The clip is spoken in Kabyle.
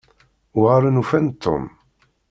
Uɣalen ufan-d Tom?